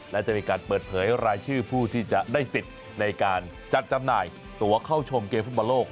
และจะมีการเปิดเผยรายชื่อผู้ที่จะได้สิทธิ์ในการจัดจำหน่ายตัวเข้าชมเกมฟุตบอลโลก